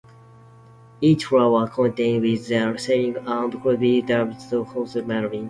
Each floor contains with ceilings and could be divided to house multiple tenants.